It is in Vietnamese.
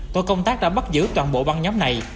tội công tác đã bắt giữ toàn bộ băng nhóm này